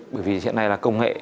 bởi vì hiện nay là công nghệ